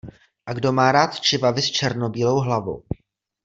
A kdo má rád čivavy s černobílou hlavou...